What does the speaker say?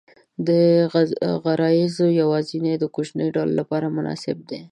دا غرایز یواځې د کوچنیو ډلو لپاره مناسب دي.